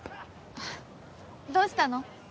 どうしたの？